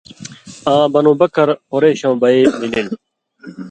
آں بنُو بکر قرېشؤں بئ مِلِل۔